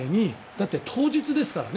だって当日ですからね